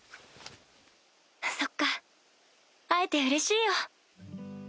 そっか会えてうれしいよ。